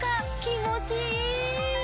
気持ちいい！